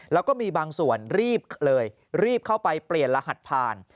แล้วก็มีบางส่วนรีบเลยรีบเข้าไปเปลี่ยนรหัสผ่าน